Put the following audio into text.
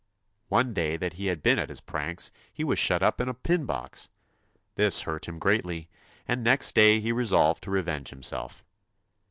One day that he had been at his pranks he was shut up in a pin box. This hurt him greatly, and next day he resolved to revenge himself.